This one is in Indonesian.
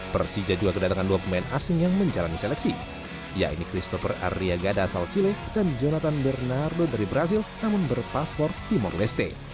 persija juga kedatangan dua pemain asing yang menjalani seleksi yaitu christopher arya gada asal chile dan jonathan bernardo dari brazil namun berpaspor timor leste